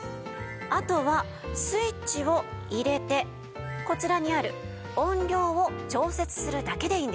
あとはスイッチを入れてこちらにある音量を調節するだけでいいんです。